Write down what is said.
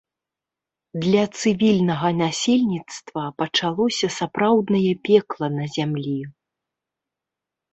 Для цывільнага насельніцтва пачалося сапраўднае пекла на зямлі.